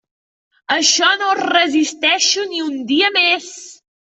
Això no ho resisteixo ni un dia més.